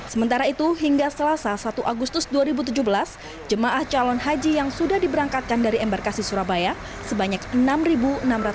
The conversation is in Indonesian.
sementara itu hingga selasa satu agustus dua ribu tujuh belas jemaah calon haji yang sudah diberangkatkan dari embarkasi surabaya sebanyak enam enam ratus